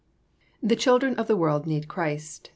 THE CHILDREN OF THE WORLD NEED CHRIST.